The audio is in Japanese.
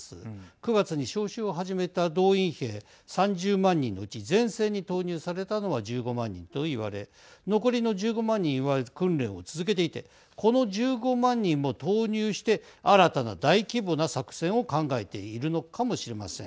９月に召集を始めた動員兵３０万人のうち前線に投入されたのは１５万人と言われ残りの１５万人は訓練を続けていてこの１５万人も投入して新たな大規模な作戦を考えているのかもしれません。